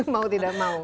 mau tidak mau